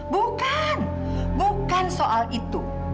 bukan bukan soal itu